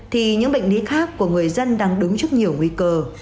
thì những bệnh lý khác của người dân đang đứng trước nhiều nguy cơ